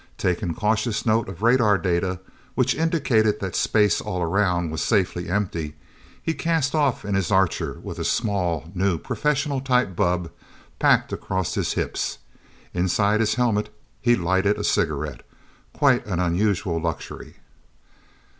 Taking cautious note of radar data which indicated that space all around was safely empty, he cast off in his Archer with a small, new, professional type bubb packed across his hips. Inside his helmet he lighted a cigarette quite an unusual luxury.